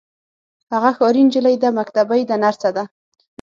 هغه ښاري نجلۍ ده مکتبۍ ده نرسه ده.